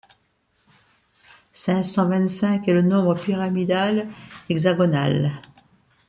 Cinq cent vingt-cinq est le nombre pyramidal hexagonal.